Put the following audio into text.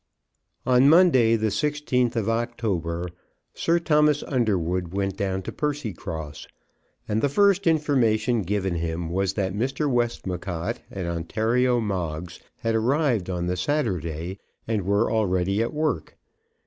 On Monday, the 16th of October, Sir Thomas Underwood went down to Percycross, and the first information given him was that Mr. Westmacott and Ontario Moggs had arrived on the Saturday, and were already at work.